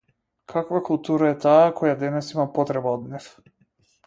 Каква култура е таа која денес има потреба од нив?